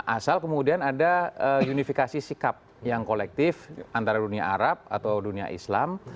asal kemudian ada unifikasi sikap yang kolektif antara dunia arab atau dunia islam